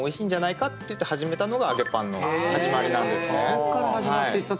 そっから始まっていった。